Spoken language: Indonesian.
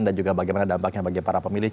dan juga bagaimana dampaknya bagi para pemilih